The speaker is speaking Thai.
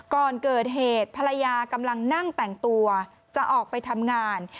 ก่อนเกิดเหตุภรรยากำลังนั่งแต่งตัวจะออกไปทำงาน